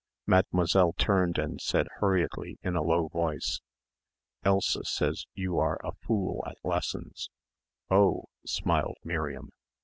Mademoiselle turned and said hurriedly in a low voice. "Elsa says you are a fool at lessons." "Oh," smiled Miriam.